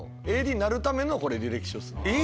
ＡＤになるための履歴書っすね。